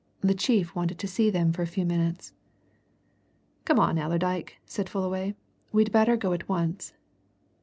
the chief wanted to see them for a few minutes. "Come on, Allerdyke," said Fullaway. "We'd better go at once.